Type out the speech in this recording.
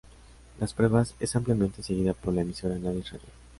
La prueba es ampliamente seguida por la emisora Nevis Radio.